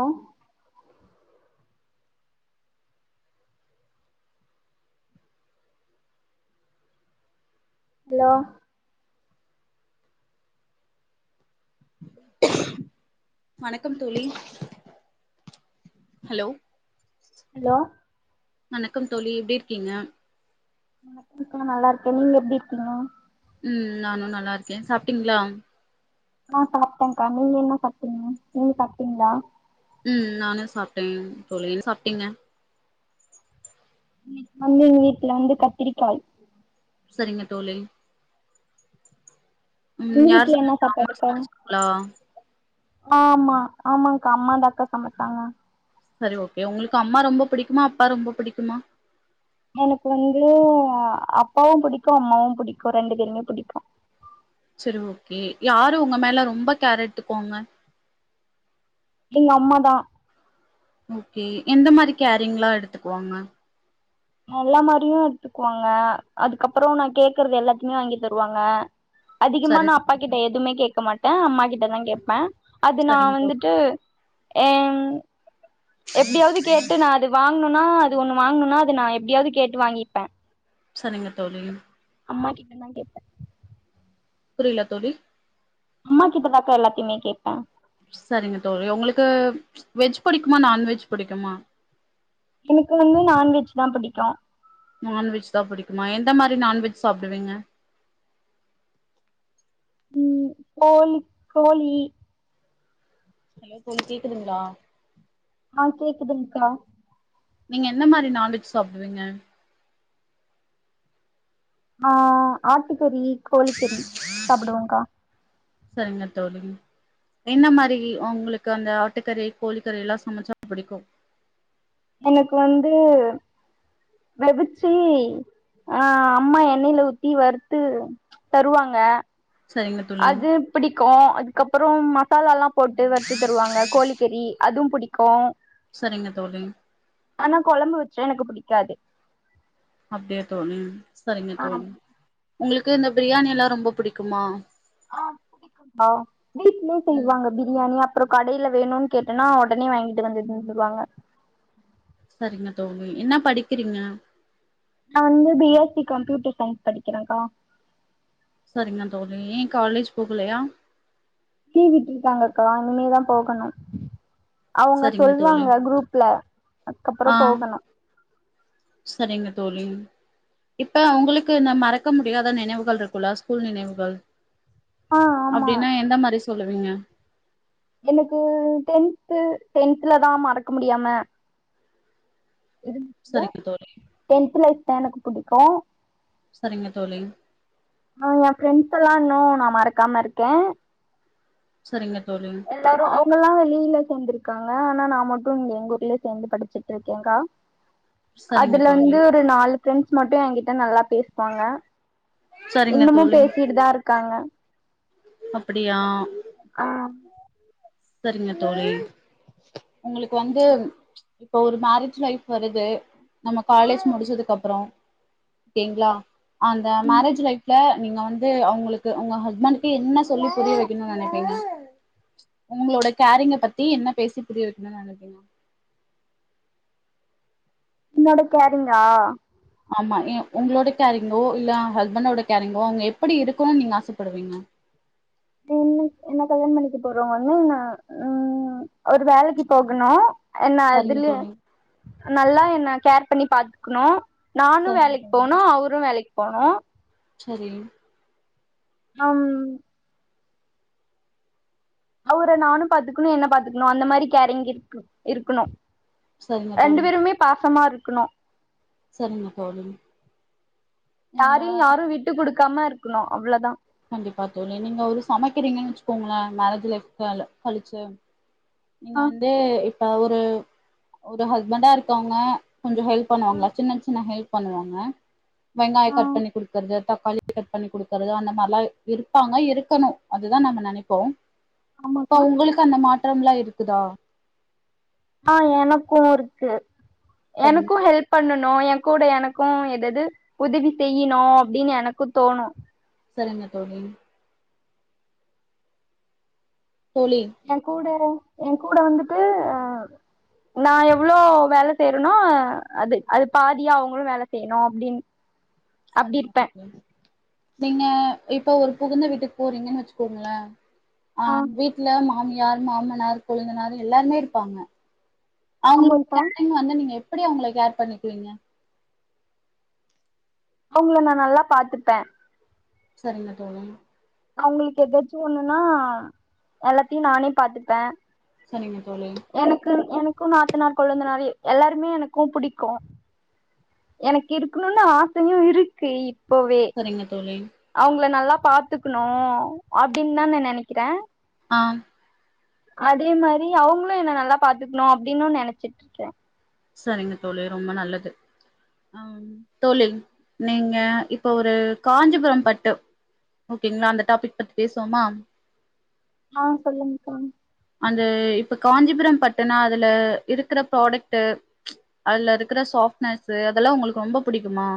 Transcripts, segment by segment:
ஓ hello வணக்கம் தோழி hello hello வணக்கம் தோழி எப்டி இர்க்கீங்க வணக்கம் நா நல்லாருக்கே நீங்க எப்டி இருக்கீங்க உம் நானு நல்லா இருக்கே சாப்ட்டீங்களா ஆஹ் சாப்ட்டங்க்கா நீங்க என்ன சாப்ட்டீங்க நீங்க சாப்ட்டீங்ளா உம் நானும் சாப்ட்டேன் தோழி என்ன சாப்ட்டீங்க தம்பிங்க வீட்டுல வந்து கத்திரிக்காய் சரிங்க தோழி உம் உங்க யார் வீட்ல என்ன சமச்சா அம்மா சமச்சாங்களா ஆ ஆமா ஆமாக்கா அம்மா த அக்கா சமைச்சாங்க சரி ஓகே உங்களுக்கு அம்மா ரொம்ப பிடிக்குமா அப்பா ரொம்ப பிடிக்குமா எனக்கு வந்து அப்பாவு பிடிக்கு அம்மாவு பிடிக்கு ரெண்டு பேருமே பிடிக்கு சரி ஓகே யாரு உங்க மேல ரொம்ப கேர் எடுத்துக்குவாங்க எங்க அம்ம தான் ஓகே எந்த மாரி கேரிங்லா எடுத்துக்குவாங்க எல்லா மாரியும் எடுத்துக்குவாங்க அதுக்கப்புற நான் கேக்குறது எல்லாத்தையு வாங்கி தருவாங்க அதிகமா சரி நான் அப்பா கிட்ட எதுவுமே கேட்க மாட்டே அம்மா கிட்ட தான் கேப்பே அது சரிங்க நான் தோழி வந்துட்டு ஏம் எப்டியாவது கேட்டு நான் அது வாங்கனு அது ஒண்ணு வாங்கணும்னா அது நான் எப்டியாவது கேட்டு வாங்கிப்பே சரிங்க தோழி என்னானு கேப்பே புரியல தோழி அம்மா கிட்டதாக்கா எல்லாத்தையுமே கேட்பே சரிங்க தோழி உங்களுக்கு வெஜ் புடிக்குமா நான்வெஜ் புடிக்குமா எனக்கு வந்து நான்வெஜ் தான் பிடிக்கு நான்வெஜ் தான் புடிக்குமா எந்த மாரி நான்வெஜ் சாப்டுவீங்க உம் கோழி கோழி ஹலோ தோழி கேக்குதுங்களா ஆ கேக்குதுங்க்கா நீங்க என்ன மாரி நான்வெஜ் சாப்டுவீங்க ஆஹ் ஆட்டுக்கறி கோழிக்கறி சாப்டுவேன்க்கா சரிங்க தோழி என்ன மாரி உங்களுக்கு அந்த ஆட்டுக்கறி கோழிக்கறி எல்லா சமைச்சா பிடிக்கு எனக்கு வந்து விதச்சி அஹ் அம்மா எண்ணெயில ஊத்தி வருத்து தருவாங்க சரிங்க தோழி அது பிடிக்கூம் அதுக்கப் அப்புறம் மசாலால்லாம் போட்டு வருத்து தருவாங்க கோழிக்கறி அதுவும் புடிக் க்கூம் சரிங்க தோழி சா எனக்கு புடிக்காது அப்டியா தோழி சரிங்க தோழி உங்ளுக்கு இந்த பிரியாணிலாம் ரொம்ப புடிக்குமா ஆஹ் புடிக்கூம் ஆ வீட்லே ம் செய்வாங்க பிரியாணி அப் றோம் கடைல வேணூன்னு கேட்ன்னா ஒடனே வாய்ங்கிட்டு வந்துட்டு செஞ்சிருவாங்க சரிங்க தோழி என்ன படிக்கிறீங்க நா வந்து B S C computer science படிக்கிறங்க்கா சரிங்க தோழி ஏன் காலேஜ் போகலையா லீவ் விட்ருக்காங்க க்கா இனிமேதான் போகணும் அவங்க சரிங்க தோழி சொல்வாங்க குரூப்ல ஆ அதுக்கப்புறோம் போகணும் சரிங்க தோழி இப்ப உங்களுக்கு அந்த மறக்க முடியாத நினைவுகள் இருக்கூல்ல ஸ்கூல் நினைவுகள் ஆ ஆமா அப்டின்னா எந்த மாதிரி ஸ் சொல்லுவிங்க எனக்கு டென்த் டென்த்ல தான் மறக்க முடியாம இருந்துச்சு சரிங்க தோழி டென்த் லைஃப் எனக்கு புடிக்கூம் சரிங்க தோழி ஏன் ஃப்ரெண்ட்ஸ் எல்லாம் இன்னூம் நா மறக்காம இருக்கேன் செரிங்க எல்லாரும் அவுங்கெல்லாம் வெளீல சேந்திருக் க்காங்க ஆனா நா மட்டும் இங்க எங்க ஊர்லே சேந்து படிச்சிட்டு இருக்கேங்கா சரிங்க அதுல தோழி வந்து ஒரு நால் ஃபிரெண்டஸ் மட்டும் ஏன்க்கிட்ட நல்லா பேசுவாங்க சரிங்க இன்னமூம் தோழி பேசிட்டுதான் இருக்காங்க அப்டியா ஆஹ் செரிங்க தோழி உங்ளுக்கு வந்து இப்ப ஒரு மேரேஜ் லைஃப் வருது நம்ம காலேஜ் முடிச்சதுக்கு அப்புறோம் ஓகேங்ளா அந்த மேரேஜ் லைஃப்ல நீங்க வந்து அவுங்களுக்கு உங்க ஹஸ்பண்ட்க்கு என்ன சொல்லி புரிய வைக்கணும்னு நெனப்பீங்க உங்களோட கேரிங்க பத்தி என்ன பேசி புரிய வைக்கணும்னு நினைக்கீங்க என்னோட கேரிங்கா ஆமா உங்களோட கேரிங்கோ இல்ல ஹஸ்பண்டோட கேரிங்கோ அவங்க எப்படி இருக்கணும்னு நீங்க ஆசைப்படுவீங்க? என்ன என்ன கல்யாண பண்ணிக்க போறோம் வந்து ந உம் ஒரு வேலைக்கு போகணும் என்ன சரிங்க அதுலயே தோழி நல்லா என்ன கேர் பண்ணி பா்த்தக்கணும். நானும் சரிங்க தோ வேலைக்கு போகனும். அவரும் வேலைக்கு போகணும் போனும் சரி உம் அவரை நானும் பாத்துக்கணும் என்ன பாத்துக்கணும் அந்த மாதிரி கேரிங் இரு இருக்கணும் சரிங்க ரெண்டு தோழி பேருமே பாசமா இரு க்கணும் சரிங்க தோழி உங்க கமா இருக்கணும் அவ்வளோதான் கண்டிப்பா தோழி நீங்க ஒரு சமைக்கிறீங்கன்னு வச்சுக்கோங்களேன் மேரேஜ் லைஃப் கழிச்சு நீங்க ஆ வந்து இப்ப ஒரு ஒரு ஹஸ்பண்டா இருக்கவங்க கொஞ்சம் ஹெல்ப் பண்ணுவாங்களா சின்ன சின்ன ஹெல்ப் பண்ணுவாங்க வெங்காயம் ஆ கட் பண்ணி கொடுக்கறது தக்காளி கட் பண்ணிடுக்கற அந்த மாதிரி இருப்பாங்க இருக்கணும். அதுதான் நம்ம நினைப்போம். இப்ப ஆமாக்கா உங்களுக்கு அந்த மாட்டு [unintelligible] ம்லாம் இருக்குதா ஆஹ் எனக்கும் இருக்கு சரிங்க எனக்கும் தோழி ஹெல்ப் பண்ணணும் என் கூட எனக்கும் எதெது உதவி செய்யணும் அப்படின்னு எனக்கும் தோணும் சரிங்க தோழி தோழி என் கூட என் கூட வந்துட்டு அஹ் நான் எவ்ளோ வேலை செய்யறேனோ அது அது பாதியா அவங்களும் வேலை செய்யணும் அப்படின்னு சரிங்க நீங்க இப்ப ஒரு புகுந்த வீட்டுக்கு போறீங்கன்னு வச்சுக்கோங்களேன் ஆ அஹ் வீட்டுல மாமி யார் மாமனார் கொழுந்தனார் எல்லாருமே இருப்பாங்க அவங்களோ ஆமாங்க்கா கேரிங் வந்து நீங்க அப்படி அவங்களுக்கு கேர் பண்ணிக்கவீங்க அவங்கள நான் நல்லா பாத்துப்பேன். சரிங்க தோழி அவங்களுக்கு எதாச்சும் ஒண்ணுன்னா, எல்லாத்தையும் நானே பாத்துப்பேன் சரிங்க தோழி எனக்கு எனக்கு க்கும் நாத்தனார் கொழந்தனார் எல்லாருமே எனக்கும் பிடிக்கும் எனக்கு இருக்கணும்னு ஆசையும் இருக்கு இப்போவே சரிங்க தோழி அவங்கள நல்லா பாத்துக்கணும் அப்படின்னு தான் நா நினைக்கிறேன் ஆம் அதே மாதிரி அவங்களும் என்ன நல்லா பாத்துக்கணும் அப்படின்னு நினைச்சிட்டு இருக்கேன் சரிங்க தோழி ரொம்ப நல்லது சரிங்க தோழி ரொம்ப நல்லது தோழி நீங்க இப்ப ஒரு காஞ்சிபுரம் பட்டு ஓகேங்களா அந்த டாபிக் பத்தி பேசுவோமா ஆஹ் சொல்லுங்கக்கா அந்த இப்ப காஞ்சிபுரம் பட்டுனா அதுல இருக்கற ப்ராடக்ட் அதுல இருக்கற சாஃப்டனஸ் அதெல்லாம் உங்களுக்கு ரொம்ப புிடிக்குமா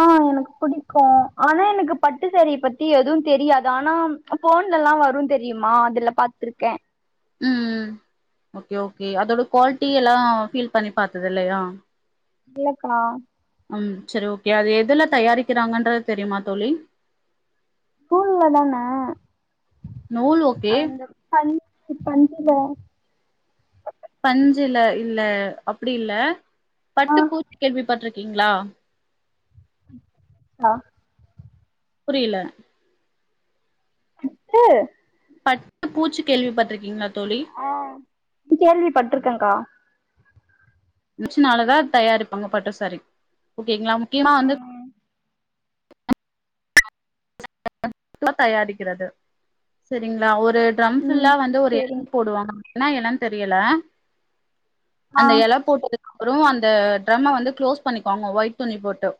ஆ எனக்கு பிடிக்கோ ஆனா எனக்கு பட்டு சாரியை பத்தி எதுவும் தெரியாது ஆனா ஃபோன்ல எல்லாம் வரும் தெரியுமா அதுல பாத்துருக்கேன் ம் ஓகே ஓகே அதோட குவாலிட்டி எல்லாம் பீல் பண்ணி பாத்தது இல்லையா இல்லக்கா ம் சரி ஓகே அது எதுல தயாரிக்கிறாங்கன்றது தெரியுமா தோழி நூல்ல தான நூல் ஓகே அந்த பஞ் சு பஞ்சில பஞ்சுல இல்ல அப்டி இல்ல ஆ பட்டு பூச்சு கேள்விப்பட்டிருக் ங்ளா ஆ புரியுல அட்டு பட்டு பூச்சு கேள்வி பட்டுருக்கீங்களா ஆ கேள்விப்பட்ருக்ககா மிச்ச நாலதா தயாரிப்பாங்க பட்டு சாரி ஓகேங்களா முக்கியமா வந்து ம் தயாரிக்கிறது சரிங்களா ஒரு ஒரு ட்ரம்ஸ்லா வந்து ஒரு எண்ட் சேரிங்க்கா போடுவாங் என்னா எனோன்னு தெரியுல ஆ அந்த எல போட்டு அப்புறோ அந்த ட்ரம்ம வந்து களோஸ் பண்ணிக்குவாங்க ஒயிட் துணி போட்டு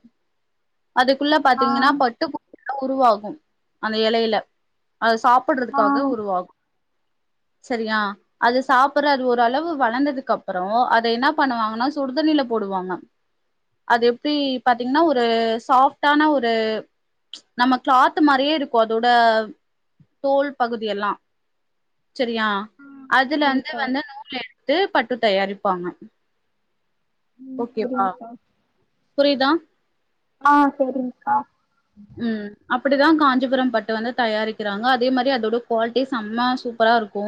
அதுக்குள்ள ஆ பாத்தீங்கன்னா பட்டு பூ உருவாகோ அந்த எலைல அது ஆ ஆ சாப்படுறதுக்காக உருவாகோ சரியா அது சாப்பிடுற அது ஒருரளவு வளர்ந்ததுக்கு அப்புறோ அத என்ன பண்ணுவாங்கன்னா சுடுதண்ணில போடுவாங்க அது எப்படி பாத்தீங்கன்னா ஒரு சாஃப்டான ஒரு நம்ம கிளாத் மாரி நறைய இருக்கோ அதோட தோல் பகுதி எல்லா சரியா அதுல வந்து சேரிங்க்கா வந்து நூல் எடுத்து எடுத்து பட்டு தயாரிப்பாங்க ம் ஓகேவா செரிங்கக்கா புரியுதா ஆ செரிங்க்கா ம் அப்படிதா காஞ்சிபுரம் பட்டு வந்து தயாரிக்குறாங்க அதே மாதிரி அதோட குவாலிட்டி செம்ம சூப்பரா இருக்கோ.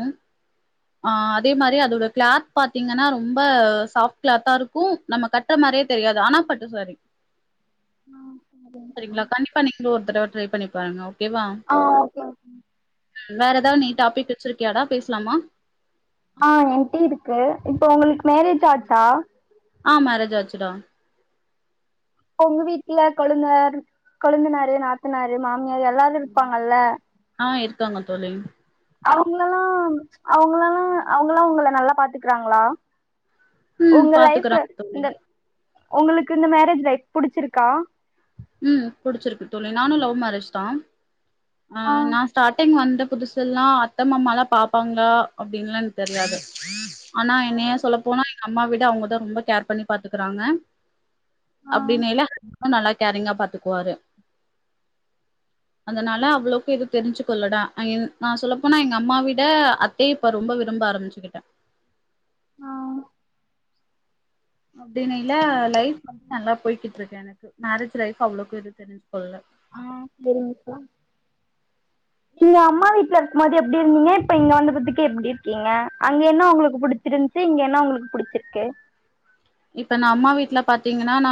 ஆ அதே மாரி அதோட கிளாத் பாத்தீங்கன்னா ரொம்ப சாஃப்ட் கிளாத்தா இருக்கோ நம்ம கட்டுற மாரியே தெரியாது ஆனா பட்டு சாரி ஆ சேரிங் சரிங்களா கண்டிப்பா நீங்களு ஒரு தடவ ட்ரை பண்ணி பாருங்க. ஓகேவா ஆஹ் ஓகே வேற ஏதாவது நீ டாபிக் வச்சிருக்கியாடா? பேசலாமா? ஆஹ் என்டையு இருக்கு. இப்போ உங்களுக்கு மேரேஜ் ஆச்சா? ஆஹ் மேரேஜ் ஆச்சுடா. உங்க வீட்டுல கொழுந்த கொழுந்தனாரு நாத்தனாரு மாமியாரு எல்லாரு இருப்பாங்கல்ல? ஆஹ் இருக்காங்க தோழி அவங்களல்லா அவங்களல்லா அவங்கல்லா உங்கள நல்லா பாத்துக்கறாங்களா உம் உங்க லைஃப் பாத்துக்கறாங்க தோழி இந்த உங்களுக்கு இந்த மேரேஜ் லைஃப் புடிச்சிருக்கா? உம் புடிச்சிருக்கு தோழி நானு லவ் மேரேஜ் தா ஆ ஆஹ் நா ஸ்டார்டிங் வந்தப் புதுசு எல்லா அத்த மாமாலா பாப்பாங்களா? அப்படின்லா எனக்கு தெரியாது. ஆனா என்னய சொல்லப்போனா எங்க அம்மா விட அவங்கதா ரொம்ப கேர் பண்ணி பாத்துக்கறாங்க ஆ அப்படிங்கேல இன்னு நல்லா கேரிங்கா பாத்துக்குவாரு. அதனால அவ்வளவுக்கு இது தெரிஞ்சுகளடா நா சொல்லப்போனா எங்க அம்மா விட அத்தைய இப்ப ரொம்ப விரும்ப ஆரம்பிச்சுக்கிட்ட ஆஹ் அப்படிநைங்லா உங்களுக்கு லைஃப் நல்லா போய்கிட்டு இருக்கு எனக்கு மேரேஜ் லைஃப் அவ்வளவுக்கு எதும் தெரிஞ்சுக்கள்ளல ஆஹ் செரிங்கக்கா நீங்க அம்மா வீட்ல இருக்கும்போது எப்படி இருந்தீங்க இப்ப இங்க வந்த பத்திக்கு எப்படி இருக்கீங்க அங்க என்ன உங்களுக்கு புடிச்சிருந்ச்சு? இங்க என்ன உங்களுக்கு புடிச்சிருக்கு? இப்ப நா அம்மா வீட்டுல பாத்தீங்கன்னா நா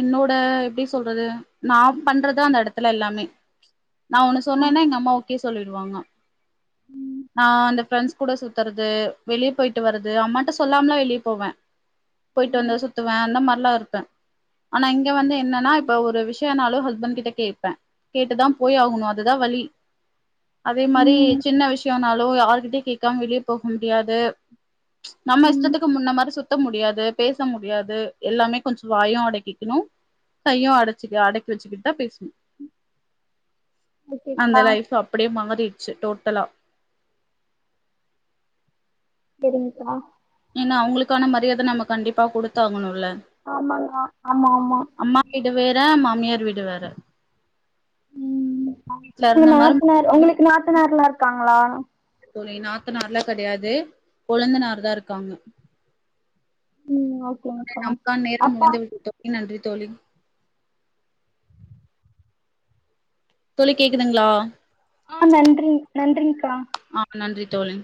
என்னோட எப்படி சொல்றது நா பண்றதா அந்த இடத்துல எல்லாமே நா ஒன்னு ம் சொன்னேன்னா எங்க அம்மா ஓகே சொ சொல்லிடுவாங்க ஆஹ் அந்த பிரண்ட்ஸ் கூட சுத்துறது வெளிய போயிட்டு வரது அம்மாட்ட சொல்லாமலா வெளியே போவ போயிட்டு வந்த சுத்துவ அந்த மாதிரிலா இருப்ப ஆனா இங்க வந்து என்னன்னா இப்ப ஒரு விஷயனாலு ஹஸ்பண்ட் கிட்ட கேட்ப கேட்டுதா போய் ஆகணு அதுதா வழி அதே மாரி சின்ன விஷயம்னாலு யாருகிட்டயு கேட்காம வெளியே போக முடியாது நம்ம ம் இஷ்டத்துக்கு முன்ன மாரி சுத்த முடியாது. பேச முடியாது எல்லாமே கொஞ்சோ வாயு அடைக்கிக்கணு கையு அடைச்சு அடைக்கி வச்சுக்கிட்டு தா பேசணு அந்த ஓகேக்கா லைஃப் அப்படியே மாறிட்டு ச்சு டோட்டலா செரிங்கக்கா ஏனா அவங்களுக்கான மரியாத நம்ம கண்டிப்பா குடுத்தாங்கணுல ஆமாங்கா ஆமா ஆமா து வேற மாமியார் வீடு வேற உம் வீட்ல உங்க இருந்த நாத்தனார் மாரி உங்களுக்கு நாத்தனார் எல்லா இருக் க்காங்களா தோழி நாத்தனார்லா கிடையாது குழுந்தனார் தா இருக்காங்க ம் ஓகேங்க்கா நமக்கான நேரம் அப்பா முடிந்து விட்டது தோளி நன்றி தோழி தோழி கேக்குதுங்களா ஆ நன்றிங் நன்றிங்க்கா ஆ நன்றி தோழி